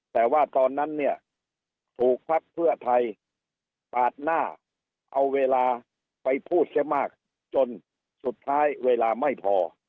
แต่ว่าตอนนั้นเนี่ยถูกพักเพื่อไทยปาดหน้าเอาเวลาไปพูดเสียมากจนสุดท้ายเวลาไม่พอ